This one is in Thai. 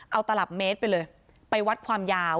เอาตลับเมตรไปเลยไปวัดความยาว